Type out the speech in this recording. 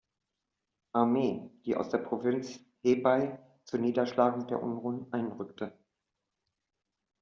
Armee, die aus der Provinz Hebei zur Niederschlagung der Unruhen einrückte.